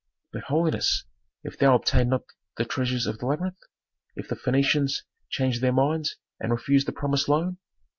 "But, holiness, if thou obtain not the treasures of the labyrinth? If the Phœnicians change their minds and refuse the promised loan?